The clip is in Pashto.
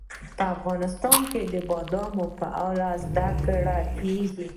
افغانستان کې د بادام په اړه زده کړه کېږي.